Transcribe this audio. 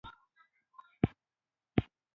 د ژوند او میینې کتابونه ،